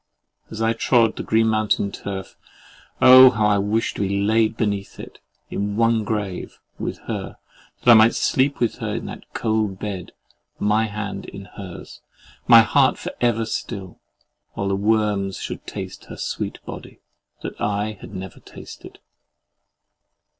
As I trod the green mountain turf, oh! how I wished to be laid beneath it—in one grave with her—that I might sleep with her in that cold bed, my hand in hers, and my heart for ever still—while worms should taste her sweet body, that I had never tasted!